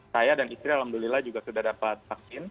saya dan istri alhamdulillah juga sudah dapat vaksin